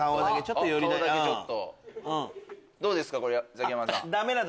ザキヤマさん。